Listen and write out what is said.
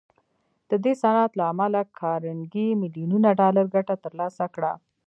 د دې صنعت له امله کارنګي ميليونونه ډالر ګټه تر لاسه کړه.